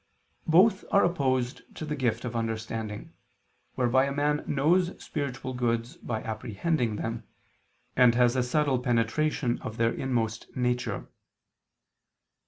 Both are opposed to the gift of understanding, whereby a man knows spiritual goods by apprehending them, and has a subtle penetration of their inmost nature.